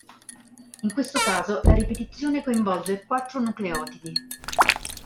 In questo caso la ripetizione coinvolge quattro nucleotidi.